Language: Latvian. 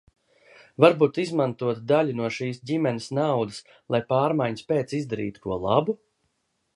Varbūt izmantot daļu no šīs ģimenes naudas, lai pārmaiņas pēc izdarītu ko labu?